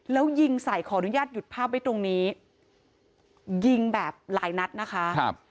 แล้วยิงใส่ขออนุญาตหยุดภาพไว้ตรงนี้ยิงแบบหลายนัดนะคะครับ